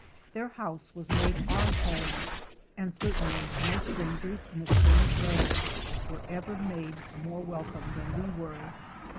Their house was made our home and certainly no strangers in a strange land were ever made more welcome than were we.